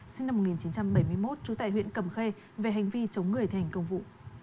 sinh năm một nghìn chín trăm bảy mươi một trú tại huyện cầm khê về hành vi chống người thi hành công vụ